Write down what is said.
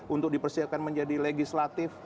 untuk dipersiapkan menjadi legislatif